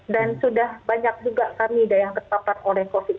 dan sudah banyak juga kami yang terpapar oleh covid sembilan belas ini